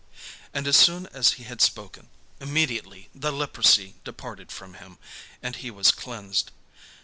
And as soon as he had spoken, immediately the leprosy departed from him, and he was cleansed.